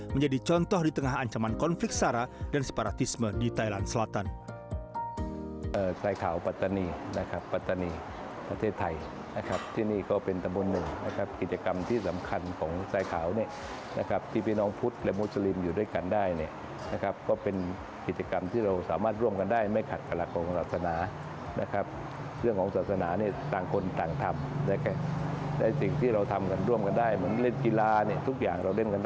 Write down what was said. menjadi contoh di tengah ancaman konflik sarah dan separatisme di thailand selatan